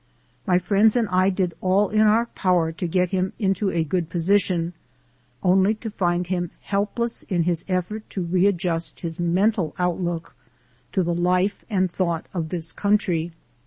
My friends and I did all in our power to get him into a good position, only to find him helpless in his effort to readjust his mental outlook to the life and thought of this country.